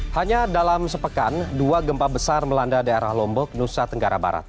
hanya dalam sepekan dua gempa besar melanda daerah lombok nusa tenggara barat